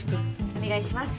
お願いします！